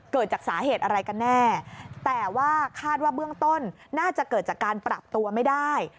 เกิดจากสาเหตุอะไรกันแน่แต่ว่าคาดว่าเบื้องต้นน่าจะเกิดจากการปรับตัวไม่ได้